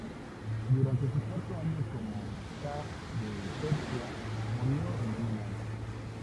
Durante su cuarto año como sah de Persia, murió envenenado.